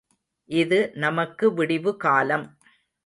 இது நமக்கு விடிவுகாலம்.